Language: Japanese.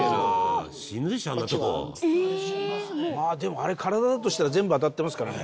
あれ体だとしたら全部当たってますからね